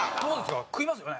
食いますよね？